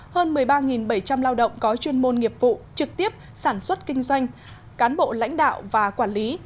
hơn một mươi ba bảy trăm linh lao động có chuyên môn nghiệp vụ trực tiếp sản xuất kinh doanh cán bộ lãnh đạo và quản lý